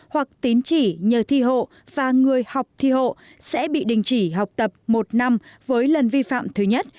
hoặc tín chỉ nhờ thi hộ và người học thi hộ sẽ bị đình chỉ học tập một năm với lần vi phạm thứ nhất